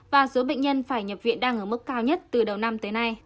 và số bệnh nhân phải nhập viện đang ở mức cao nhất từ đầu năm tới nay